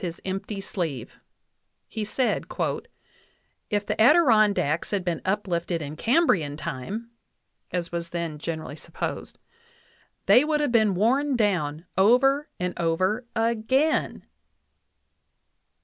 VIII rapid gestures of his empty sleeve: "If the Adirondacks had been uplifted in Cambrian time" as was then generally sup posed "they would have been worn down over and over AGAIN